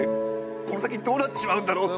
この先どうなっちまうんだろうって。